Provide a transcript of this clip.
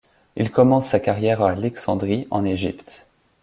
Il commence sa carrière à Alexandrie, en Égypte.